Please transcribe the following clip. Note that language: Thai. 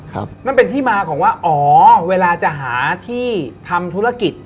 นั่นเป็นที่มาของว่าอ๋อเวลาจะหาที่ทำธุรกิจ